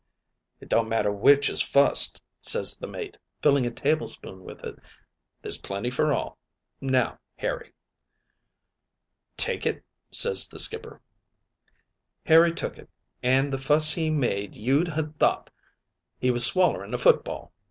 "'It don't matter which is fust,' ses the mate, filling a tablespoon with it, 'there's plenty for all. Now, Harry.' "'Take it,' ses the skipper. "Harry took it, an' the fuss he made you'd ha' thought he was swallering a football.